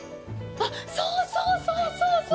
そうそう、そうそう、そう！